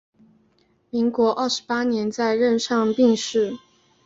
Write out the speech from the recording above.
民国二十八年在任上病逝。